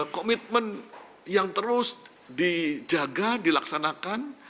komitmen yang terus dijaga dilaksanakan